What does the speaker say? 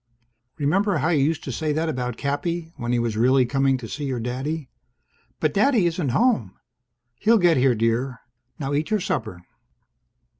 "Remember how you used to say that about Cappy? When he was really coming to see your daddy?" "But Daddy isn't home!" "He'll get here, dear. Now eat your supper."